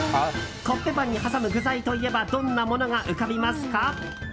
コッペパンに挟む具材といえばどんなものが浮かびますか？